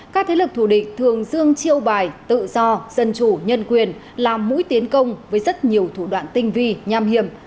các thế lực thù địch thường dương chiêu bài tự do dân chủ nhân quyền làm mũi tiến công với rất nhiều thủ đoạn tinh vi nham hiểm